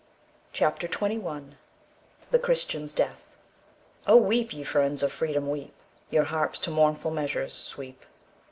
CHAPTER XXI THE CHRISTIAN'S DEATH "O weep, ye friends of freedom weep! Your harps to mournful measures sweep."